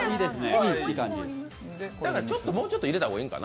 もうちょっと入れた方がいいんかな。